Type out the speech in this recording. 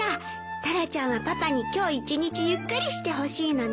タラちゃんはパパに今日一日ゆっくりしてほしいのね。